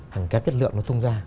hàng kép chất lượng nó tung ra